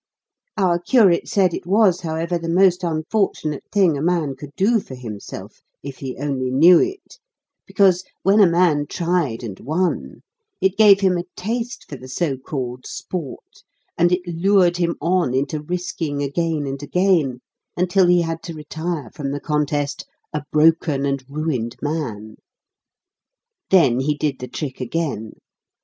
Our curate said it was, however, the most unfortunate thing a man could do for himself, if he only knew it, because, when a man tried and won, it gave him a taste for the so called sport, and it lured him on into risking again and again; until he had to retire from the contest, a broken and ruined man. Then he did the trick again.